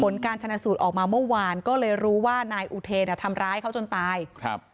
ผลการชนะสูตรออกมาเมื่อวานก็เลยรู้ว่านายอุเทนอ่ะทำร้ายเขาจนตายครับ